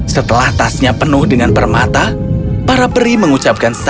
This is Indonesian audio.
setelah tasnya penuh dengan permata para peri mengucapkan selamat